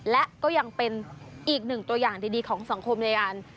และก็ยังเป็นอีก๑ตัวอย่างดีของสังคมในอาร์ธฯ